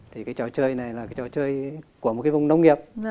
thì cái trò chơi này là cái trò chơi của một cái vùng nông nghiệp